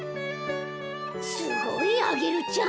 すごいアゲルちゃん！